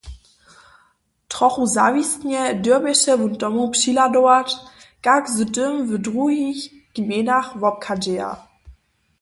Trochu zawistnje dyrbješe wón tomu přihladować, kak z tym w druhich gmejnach wobchadźeja.